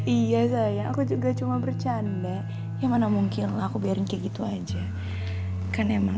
iya saya aku juga cuma bercanda ya mana mungkin lah aku biarin kayak gitu aja kan emang